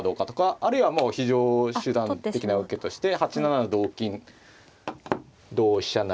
あるいはもう非常手段的な受けとして８七同金同飛車成で。